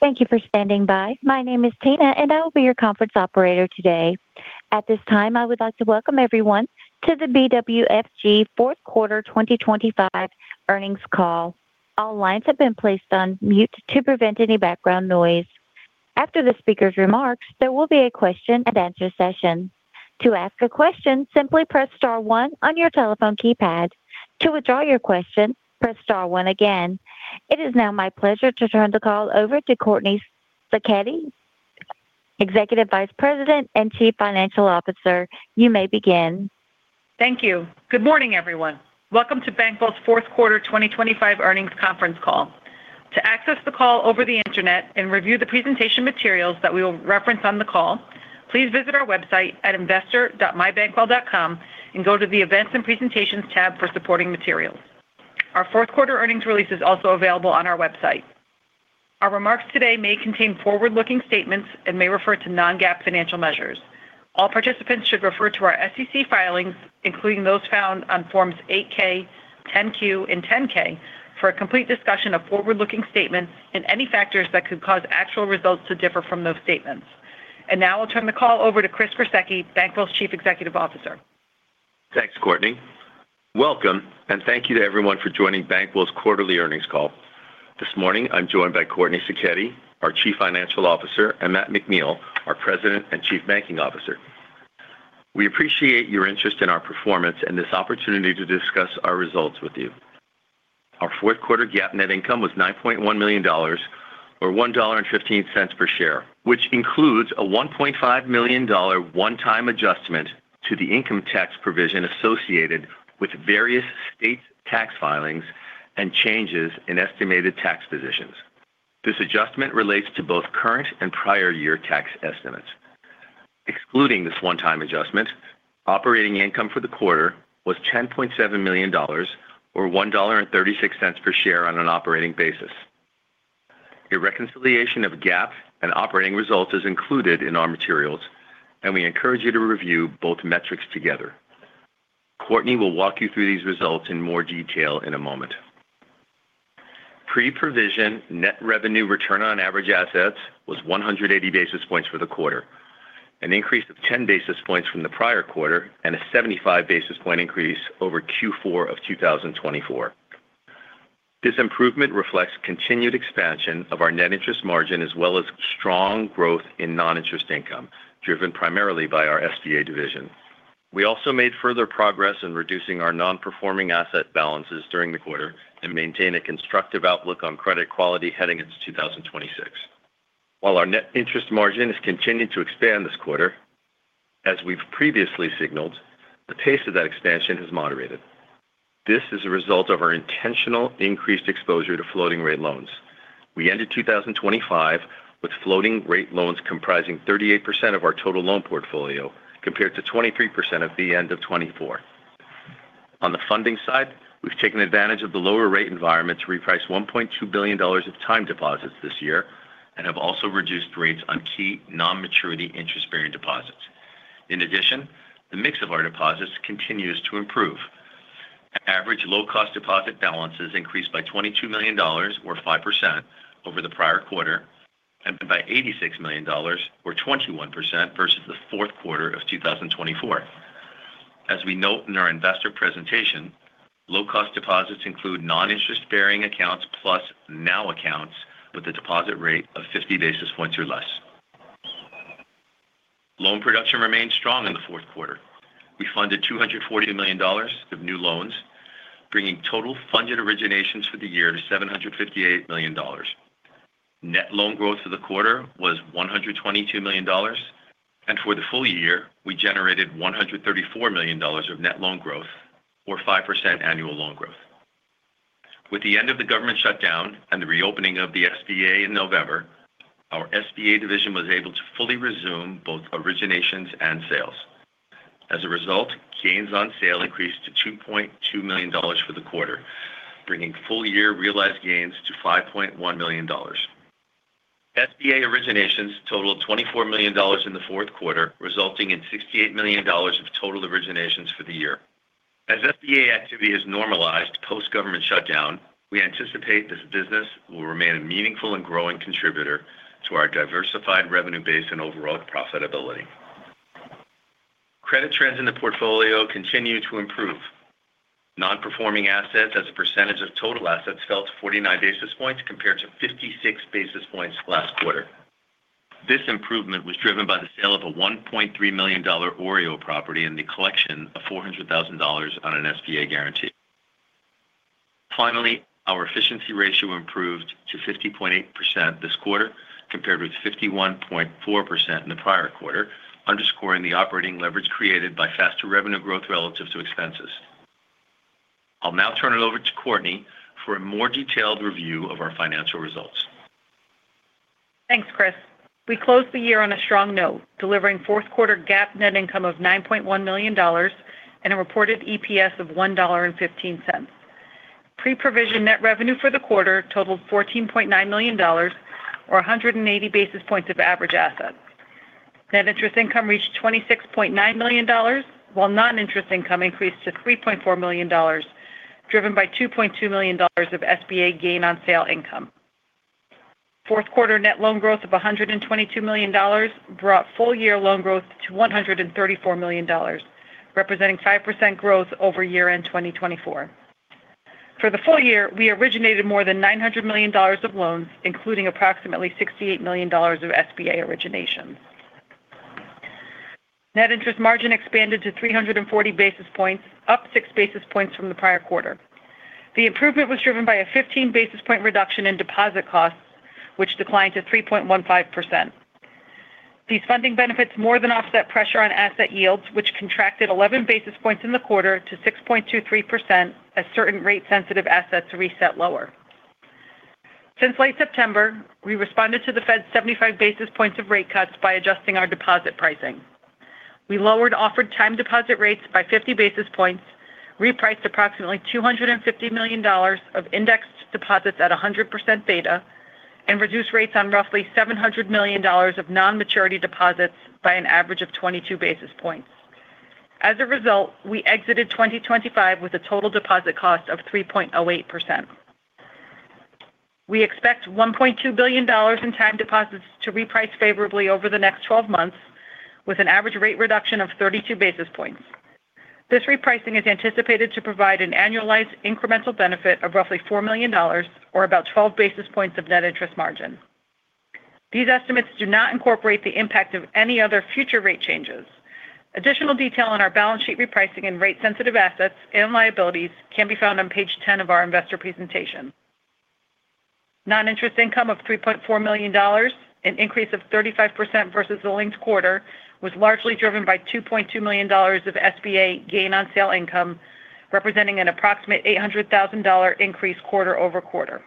Thank you for standing by. My name is Tina, and I will be your conference operator today. At this time, I would like to welcome everyone to the BWFG Q4 2025 Earnings Call. All lines have been placed on mute to prevent any background noise. After the speaker's remarks, there will be a Q&A session. To ask a question, simply press star one on your telephone keypad. To withdraw your question, press star one again. It is now my pleasure to turn the call over to Courtney Sacchetti, Executive Vice President and Chief Financial Officer. You may begin. Thank you. Good morning, everyone. Welcome to Bankwell's Q4 2025 Earnings Conference Call. To access the call over the internet and review the presentation materials that we will reference on the call, please visit our website at investor.mybankwell.com and go to the Events and Presentations tab for supporting materials. Our Q4 earnings release is also available on our website. Our remarks today may contain forward-looking statements and may refer to non-GAAP financial measures. All participants should refer to our SEC filings, including those found on Forms 8K, 10Q, and 10K, for a complete discussion of forward-looking statements and any factors that could cause actual results to differ from those statements. Now I'll turn the call over to Chris Gruseke, Bankwell's Chief Executive Officer. Thanks, Courtney. Welcome, and thank you to everyone for joining Bankwell's Quarterly Earnings Call. This morning, I'm joined by Courtney Sacchetti, our Chief Financial Officer, and Matthew McNeill, our President and Chief Banking Officer. We appreciate your interest in our performance and this opportunity to discuss our results with you. Our Q4 GAAP net income was $9.1 million, or $1.15 per share, which includes a $1.5 million one-time adjustment to the income tax provision associated with various state tax filings and changes in estimated tax positions. This adjustment relates to both current and prior year tax estimates. Excluding this one-time adjustment, operating income for the quarter was $10.7 million, or $1.36 per share on an operating basis. A reconciliation of GAAP and operating results is included in our materials, and we encourage you to review both metrics together. Courtney will walk you through these results in more detail in a moment. Pre-provision net revenue return on average assets was 180 basis points for the quarter, an increase of 10 basis points from the prior quarter, and a 75 basis point increase over Q4 of 2024. This improvement reflects continued expansion of our net interest margin as well as strong growth in non-interest income, driven primarily by our SBA division. We also made further progress in reducing our non-performing asset balances during the quarter and maintain a constructive outlook on credit quality heading into 2026. While our net interest margin has continued to expand this quarter, as we've previously signaled, the pace of that expansion has moderated. This is a result of our intentional increased exposure to floating-rate loans. We ended 2025 with floating-rate loans comprising 38% of our total loan portfolio, compared to 23% at the end of 2024. On the funding side, we've taken advantage of the lower rate environment to reprice $1.2 billion of time deposits this year and have also reduced rates on key non-maturity interest-bearing deposits. In addition, the mix of our deposits continues to improve. Average low-cost deposit balances increased by $22 million, or 5%, over the prior quarter and by $86 million, or 21%, versus the Q4 of 2024. As we note in our investor presentation, low-cost deposits include non-interest-bearing accounts plus NOW accounts with a deposit rate of 50 basis points or less. Loan production remained strong in the Q4. We funded $240 million of new loans, bringing total funded originations for the year to $758 million. Net loan growth for the quarter was $122 million, and for the full year, we generated $134 million of net loan growth, or 5% annual loan growth. With the end of the government shutdown and the reopening of the SBA in November, our SBA division was able to fully resume both originations and sales. As a result, gains on sale increased to $2.2 million for the quarter, bringing full-year realized gains to $5.1 million. SBA originations totaled $24 million in the Q4, resulting in $68 million of total originations for the year. As SBA activity has normalized post-government shutdown, we anticipate this business will remain a meaningful and growing contributor to our diversified revenue base and overall profitability. Credit trends in the portfolio continue to improve. Non-performing assets as a percentage of total assets fell to 49 basis points compared to 56 basis points last quarter. This improvement was driven by the sale of a $1.3 million OREO property and the collection of $400,000 on an SBA guarantee. Finally, our efficiency ratio improved to 50.8% this quarter, compared with 51.4% in the prior quarter, underscoring the operating leverage created by faster revenue growth relative to expenses. I'll now turn it over to Courtney for a more detailed review of our financial results. Thanks, Chris. We closed the year on a strong note, delivering Q4 GAAP net income of $9.1 million and a reported EPS of $1.15. Pre-provision net revenue for the quarter totaled $14.9 million, or 180 basis points of average assets. Net interest income reached $26.9 million, while non-interest income increased to $3.4 million, driven by $2.2 million of SBA gain on sale income. Q4 net loan growth of $122 million brought full-year loan growth to $134 million, representing 5% growth over year-end 2024. For the full year, we originated more than $900 million of loans, including approximately $68 million of SBA originations. Net interest margin expanded to 340 basis points, up 6 basis points from the prior quarter. The improvement was driven by a 15 basis point reduction in deposit costs, which declined to 3.15%. These funding benefits more than offset pressure on asset yields, which contracted 11 basis points in the quarter to 6.23% as certain rate-sensitive assets reset lower. Since late September, we responded to the Fed's 75 basis points of rate cuts by adjusting our deposit pricing. We lowered offered time deposit rates by 50 basis points, repriced approximately $250 million of indexed deposits at 100% beta, and reduced rates on roughly $700 million of non-maturity deposits by an average of 22 basis points. As a result, we exited 2025 with a total deposit cost of 3.08%. We expect $1.2 billion in time deposits to reprice favorably over the next 12 months, with an average rate reduction of 32 basis points. This repricing is anticipated to provide an annualized incremental benefit of roughly $4 million, or about 12 basis points of net interest margin. These estimates do not incorporate the impact of any other future rate changes. Additional detail on our balance sheet repricing and rate-sensitive assets and liabilities can be found on Page 10 of our investor presentation. Non-interest income of $3.4 million, an increase of 35% versus the linked quarter, was largely driven by $2.2 million of SBA gain on sale income, representing an approximate $800,000 increase quarter over quarter.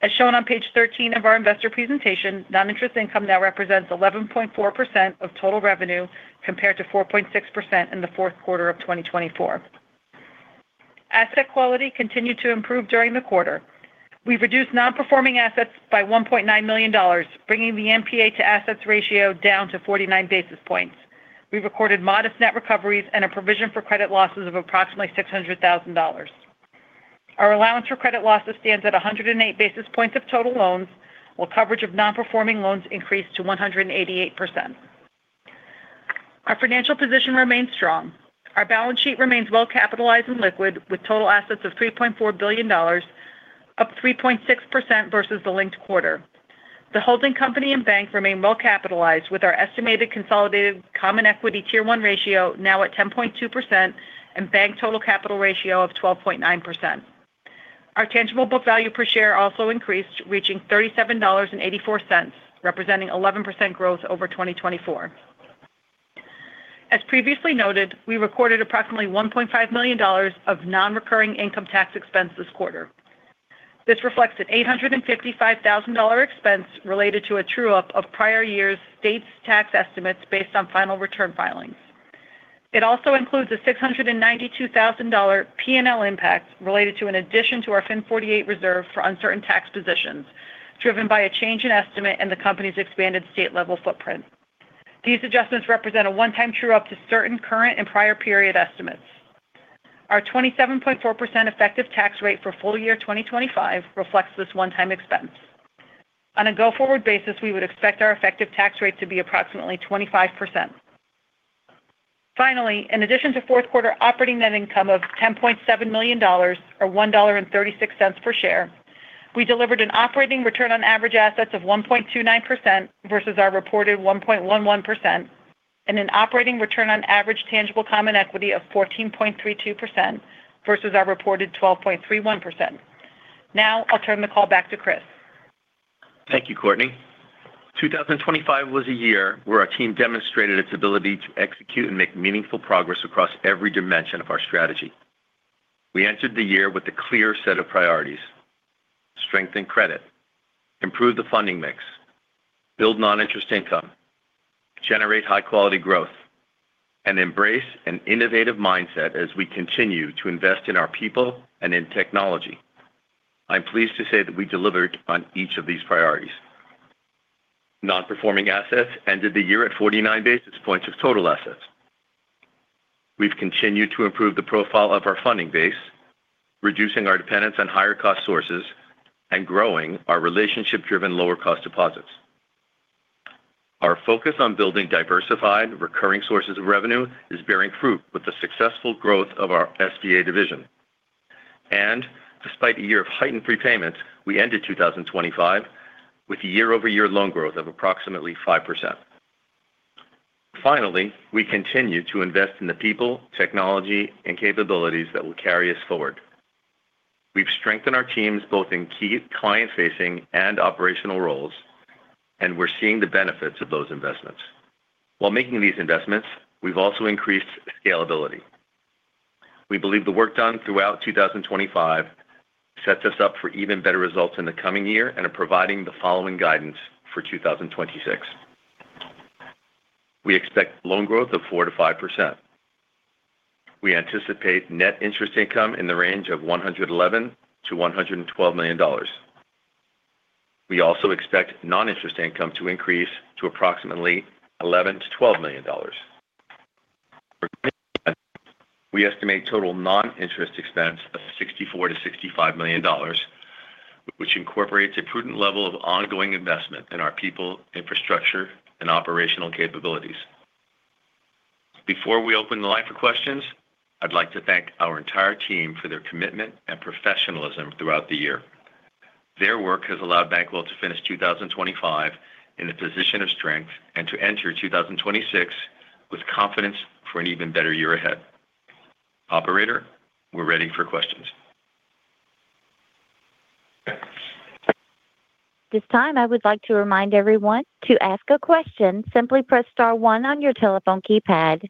As shown on Page 13 of our investor presentation, non-interest income now represents 11.4% of total revenue compared to 4.6% in the Q4 of 2024. Asset quality continued to improve during the quarter. We reduced non-performing assets by $1.9 million, bringing the NPA to assets ratio down to 49 basis points. We recorded modest net recoveries and a provision for credit losses of approximately $600,000. Our allowance for credit losses stands at 108 basis points of total loans, while coverage of non-performing loans increased to 188%. Our financial position remains strong. Our balance sheet remains well-capitalized and liquid, with total assets of $3.4 billion, up 3.6% versus the linked quarter. The holding company and bank remain well-capitalized, with our estimated consolidated Common Equity Tier 1 ratio now at 10.2% and bank total capital ratio of 12.9%. Our tangible book value per share also increased, reaching $37.84, representing 11% growth over 2024. As previously noted, we recorded approximately $1.5 million of non-recurring income tax expense this quarter. This reflects an $855,000 expense related to a true-up of prior year's state tax estimates based on final return filings. It also includes a $692,000 P&L impact related to an addition to our FIN 48 reserve for uncertain tax positions, driven by a change in estimate and the company's expanded state-level footprint. These adjustments represent a one-time true-up to certain current and prior period estimates. Our 27.4% effective tax rate for full year 2025 reflects this one-time expense. On a go-forward basis, we would expect our effective tax rate to be approximately 25%. Finally, in addition to Q4 operating net income of $10.7 million, or $1.36 per share, we delivered an operating return on average assets of 1.29% versus our reported 1.11%, and an operating return on average tangible common equity of 14.32% versus our reported 12.31%. Now I'll turn the call back to Chris. Thank you, Courtney. 2025 was a year where our team demonstrated its ability to execute and make meaningful progress across every dimension of our strategy. We entered the year with a clear set of priorities: strengthen credit, improve the funding mix, build non-interest income, generate high-quality growth, and embrace an innovative mindset as we continue to invest in our people and in technology. I'm pleased to say that we delivered on each of these priorities. Non-performing assets ended the year at 49 basis points of total assets. We've continued to improve the profile of our funding base, reducing our dependence on higher cost sources and growing our relationship-driven lower-cost deposits. Our focus on building diversified recurring sources of revenue is bearing fruit with the successful growth of our SBA division. And despite a year of heightened prepayments, we ended 2025 with year-over-year loan growth of approximately 5%. Finally, we continue to invest in the people, technology, and capabilities that will carry us forward. We've strengthened our teams both in key client-facing and operational roles, and we're seeing the benefits of those investments. While making these investments, we've also increased scalability. We believe the work done throughout 2025 sets us up for even better results in the coming year, and are providing the following guidance for 2026. We expect loan growth of 4%-5%. We anticipate net interest income in the range of $111 million-$112 million. We also expect non-interest income to increase to approximately $11 million-$12 million. We estimate total non-interest expense of $64 million-$65 million, which incorporates a prudent level of ongoing investment in our people, infrastructure, and operational capabilities. Before we open the line for questions, I'd like to thank our entire team for their commitment and professionalism throughout the year. Their work has allowed Bankwell to finish 2025 in a position of strength and to enter 2026 with confidence for an even better year ahead. Operator, we're ready for questions. This time, I would like to remind everyone to ask a question. Simply press star one on your telephone keypad.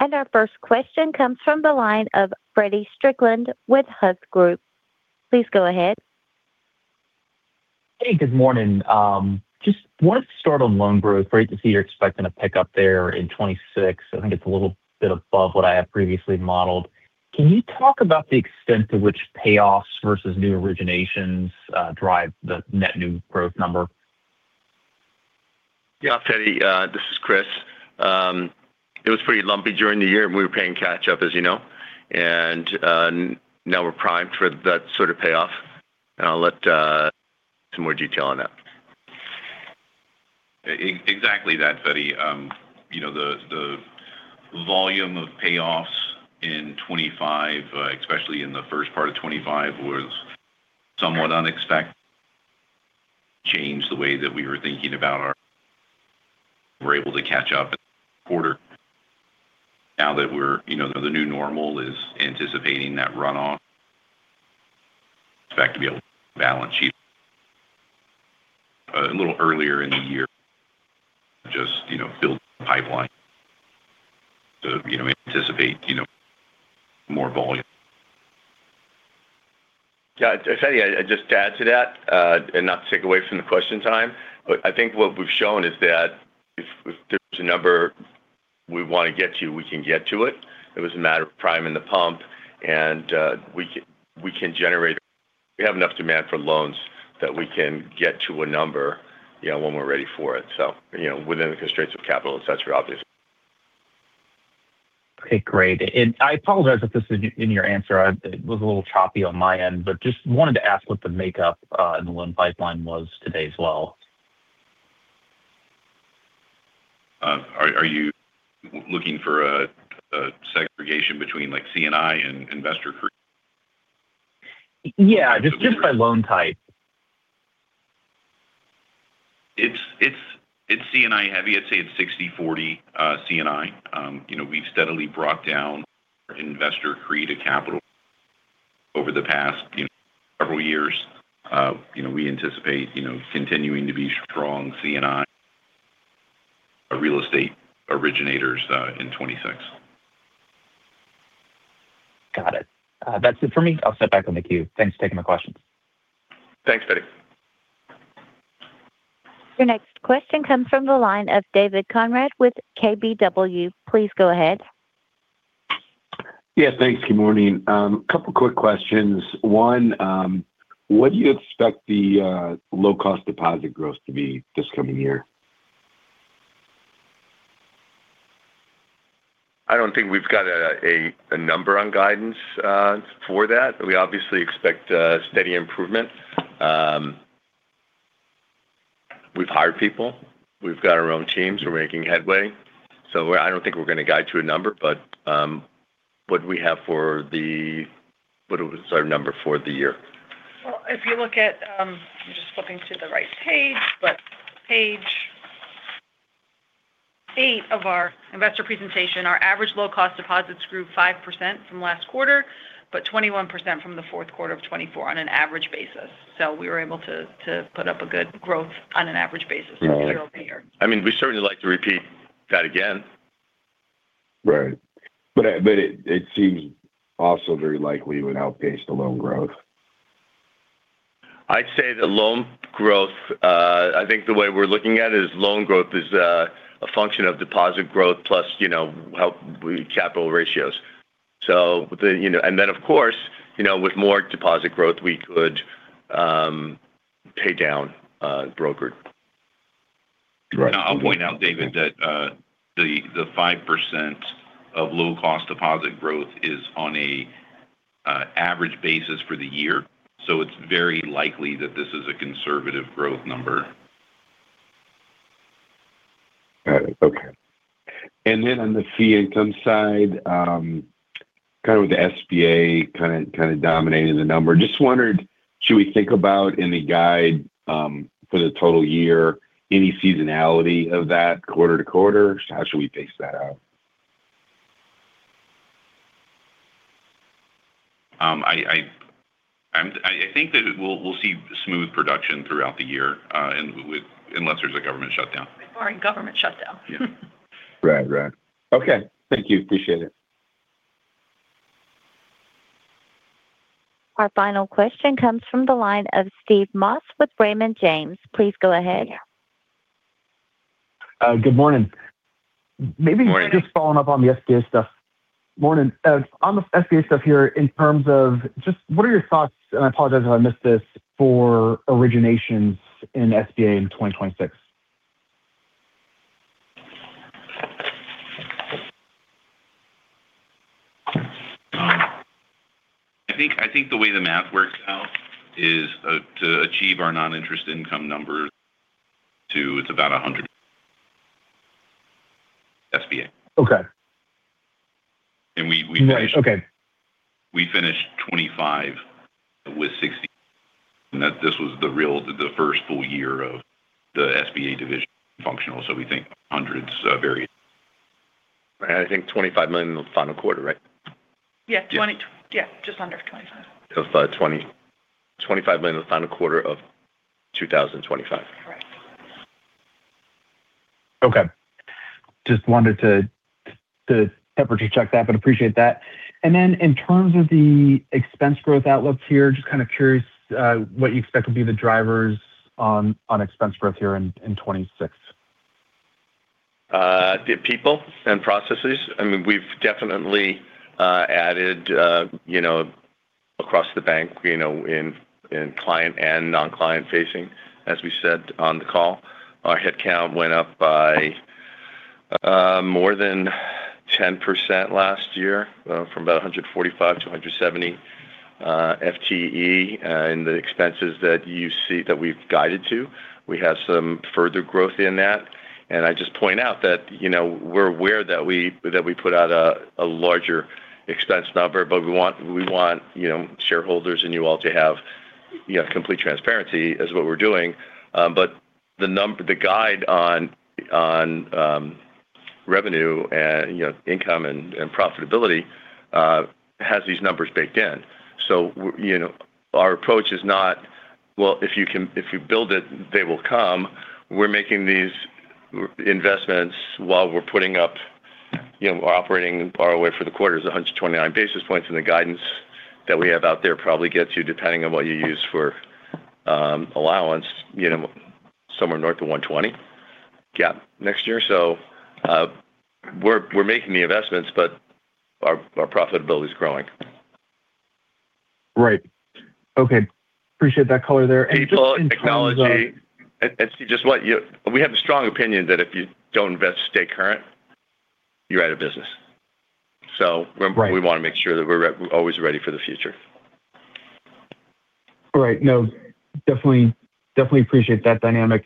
Our first question comes from the line of Feddie Strickland with Hovde Group. Please go ahead. Good morning. Just wanted to start on loan growth. Great to see you're expecting a pickup there in 2026. I think it's a little bit above what I had previously modeled. Can you talk about the extent to which payoffs versus new originations drive the net new growth number? Feddie, this is Chris. It was pretty lumpy during the year, and we were paying catch-up, as you know. And now we're primed for that sort of payoff, and I'll let some more detail on that. Exactly that, Feddie. The volume of payoffs in 2025, especially in the first part of 2025, was somewhat unexpected. Changed the way that we were thinking about we were able to catch up in the quarter. Now that we're the new normal is anticipating that run-off, expect to be able to balance sheet a little earlier in the year, just build the pipeline to anticipate more volume. Feddie, just to add to that and not to take away from the question time, I think what we've shown is that if there's a number we want to get to, we can get to it. It was a matter of priming the pump, and we have enough demand for loans that we can get to a number when we're ready for it, so within the constraints of capital adequacy, obviously. Great. I apologize if this is in your answer. It was a little choppy on my end, but just wanted to ask what the makeup in the loan pipeline was today as well. Are you looking for a segregation between C&I and Investor CRE? Just by loan type. It's C&I heavy. I'd say it's 60/40 C&I. We've steadily brought down investor CRE to capital over the past several years. We anticipate continuing to be strong C&I real estate originators in 2026. Got it. That's it for me. I'll step back on the queue. Thanks for taking my questions. Thanks, Freddie. Your next question comes from the line of David Konrad with KBW. Please go ahead. Yes, thanks. Good morning. A couple of quick questions. One, what do you expect the low-cost deposit growth to be this coming year? I don't think we've got a number on guidance for that. We obviously expect steady improvement. We've hired people. We've got our own teams. We're making headway. So I don't think we're going to guide to a number, but what do we have for the, what is our number for the year? If you look at, I'm just flipping to the right page but Page 8 of our investor presentation, our average low-cost deposits grew 5% from last quarter, but 21% from the Q4 of 2024 on an average basis. So we were able to put up a good growth on an average basis year-over-year. I mean, we certainly like to repeat that again. Right. But it seems also very likely it would outpace the loan growth. I'd say the loan growth, I think the way we're looking at it, is loan growth is a function of deposit growth plus capital ratios. And then, of course, with more deposit growth, we could pay down brokered. I'll point out, David, that the 5% of low-cost deposit growth is on an average basis for the year. So it's very likely that this is a conservative growth number. Got it. And then on the fee income side, kind of with the SBA kind of dominating the number, just wondered, should we think about in the guide for the total year, any seasonality of that quarter to quarter? How should we base that out? I think that we'll see smooth production throughout the year unless there's a government shutdown. Before a government shutdown. Right. Thank you. Appreciate it. Our final question comes from the line of Steve Moss with Raymond James. Please go ahead. Good morning. Maybe just following up on the SBA stuff. Morning. On the SBA stuff here, in terms of just what are your thoughts (and I apologize if I missed this) for originations in SBA in 2026? I think the way the math works out is to achieve our non-interest income numbers too. It's about 100 SBA. Okay. We finished. Right. We finished 2025 with 60. This was the first full year of the SBA division functional. We think hundreds of areas. Right. I think $25 million in the final quarter, right? Just under 25. Of $25 million in the final quarter of 2025. Correct. Okay. Just wanted to temperature check that, but appreciate that. And then in terms of the expense growth outlook here, just kind of curious what you expect would be the drivers on expense growth here in 2026. The people and processes. I mean, we've definitely added across the bank in client and non-client facing, as we said on the call. Our headcount went up by more than 10% last year from about 145 to 170 FTE in the expenses that we've guided to. We have some further growth in that. And I just point out that we're aware that we put out a larger expense number, but we want shareholders and you all to have complete transparency as what we're doing. But the guide on revenue, income, and profitability has these numbers baked in. So our approach is not, "Well, if you build it, they will come." We're making these investments while we're putting up, our operating ROA for the quarter is 129 basis points, and the guidance that we have out there probably gets you, depending on what you use for allowance, somewhere north of 120 GAAP next year. So we're making the investments, but our profitability is growing. Right. Appreciate that color there. And. People, technology. See, just what we have a strong opinion that if you don't invest, stay current, you're out of business. So we want to make sure that we're always ready for the future. Right. No, definitely appreciate that dynamic.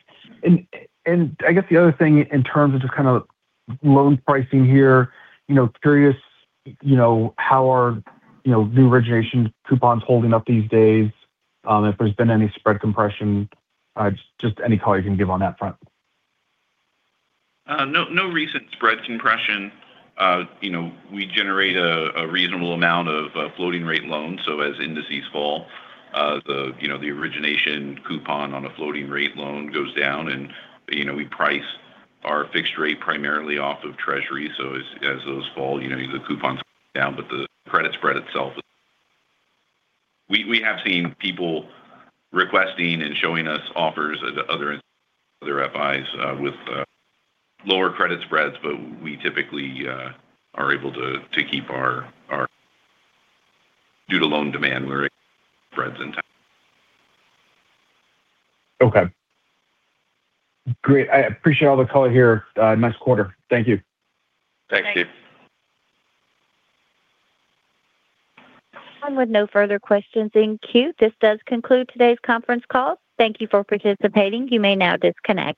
And I guess the other thing in terms of just kind of loan pricing here, curious how are new origination coupons holding up these days? If there's been any spread compression, just any color you can give on that front. No recent spread compression. We generate a reasonable amount of floating-rate loans. So as indices fall, the origination coupon on a floating-rate loan goes down, and we price our fixed-rate primarily off of treasuries. So as those fall, the coupons go down, but the credit spread itself is we have seen people requesting and showing us offers at other FIs with lower credit spreads, but we typically are able to keep our due-to-loan demand where it spreads in time. Great. I appreciate all the color here. Nice quarter. Thank you. Thanks, Dave. With no further questions, thank you. This does conclude today's conference call. Thank you for participating. You may now disconnect.